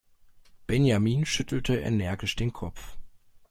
Benjamin schüttelte energisch den Kopf.